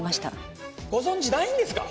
ご存じないんですか？